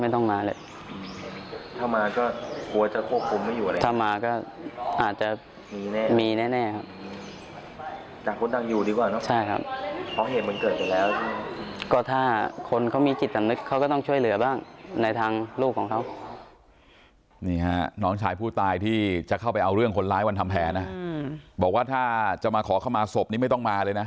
แต่คนดังอยู่ดีกว่านั้น